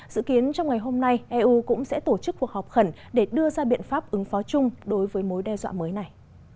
dự kiến trong ngày hôm nay eu cũng sẽ tổ chức cuộc họp khẩn để đưa ra biện pháp ứng phó chung đối với mối đe dọa mới này